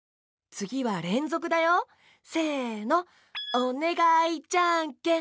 「おねがいじゃんけん」